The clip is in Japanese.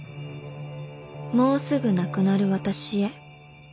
「もうすぐ亡くなる私へ」